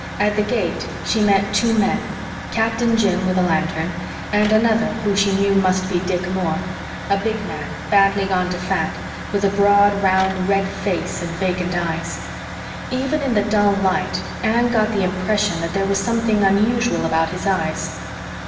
At the gate she met two men Captain Jim with a lantern, and another who she knew must be Dick Moore a big man, badly gone to fat, with a broad, round, red face, and vacant eyes. Even in the dull light Anne got the impression that there was something unusual about his eyes.